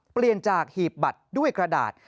เปลี่ยนจากหีบบัตรด้วยกระดาษ